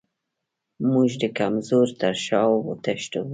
موږ د کمزورو تر شا وتښتو.